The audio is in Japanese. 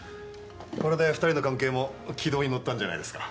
これで２人の関係も軌道に乗ったんじゃないですか？